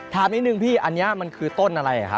ถามนิดนึงพี่อันนี้มันคือต้นอะไรครับ